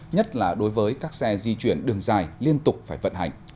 nhất là đối với các xe di chuyển đường dài liên tục phải vận hành